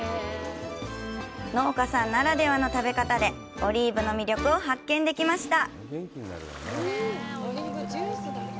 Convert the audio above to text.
農家さんならではの食べ方でオリーブの魅力を発見できました。